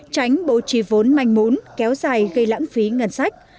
tránh bộ trì vốn manh mũn kéo dài gây lãng phí ngân sách